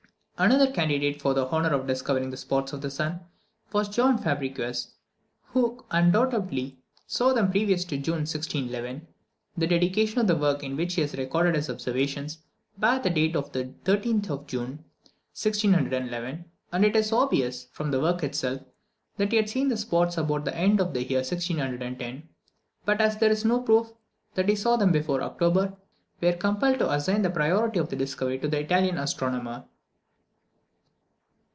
Another candidate for the honour of discovering the spots of the sun, was John Fabricius, who undoubtedly saw them previous to June 1611. The dedication of the work in which he has recorded his observation, bears the date of the 13th of June 1611; and it is obvious, from the work itself, that he had seen the spots about the end of the year 1610; but as there is no proof that he saw them before October, we are compelled to assign the priority of the discovery to the Italian astronomer.